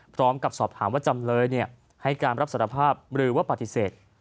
พร้อมกับสอบถามว่าจำเลยให้การรับสารภาพหรือว่าปฏิเสธ